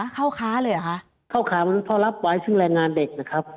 เข้าค้าเลยเหรอคะเข้าค้ามนุษย์เพราะรับไว้ซึ่งแรงงานเด็กนะครับ